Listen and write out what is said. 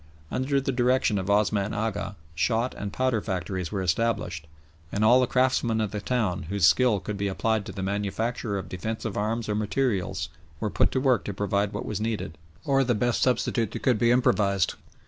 Under the direction of Osman Agha, shot and powder factories were established, and all the craftsmen of the town whose skill could be applied to the manufacture of defensive arms or materials were put to work to provide what was needed, or the best substitute that could be improvised.